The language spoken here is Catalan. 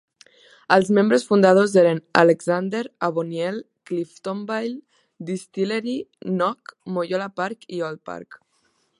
Els membres fundadors eren: Alexander, Avoniel, Cliftonville, Distillery, Knock, Moyola Park i Oldpark.